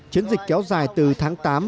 chiến dịch kéo dài từ tháng tám